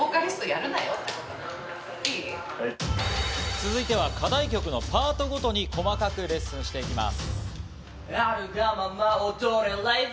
続いては課題曲のパートごとに細かくレッスンしていきます。